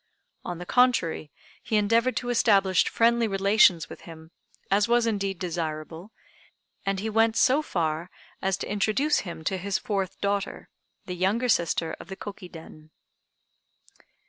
On the contrary, he endeavored to establish friendly relations with him, as was indeed desirable, and he went so far as to introduce him to his fourth daughter, the younger sister of the Koki Den.